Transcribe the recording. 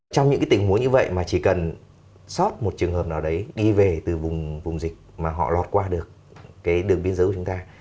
trong những cái tình huống như vậy mà chỉ cần sót một trường hợp nào đấy đi về từ vùng dịch mà họ lọt qua được cái đường biên giới của chúng ta